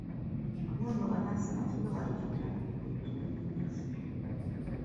Awo nno bannassaayansi beewalira ddala okwekkiriranya.